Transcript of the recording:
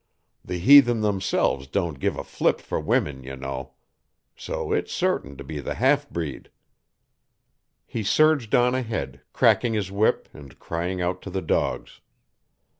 The heathen themselves don't give a flip for women, you know. So it's certain to be the half breed." He surged on ahead, cracking his whip, and crying out to the dogs.